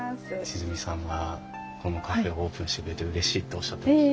千純さんがこのカフェをオープンしてくれてうれしいっておっしゃってましたよ。